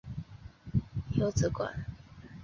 有子戴槚任儒学教谕。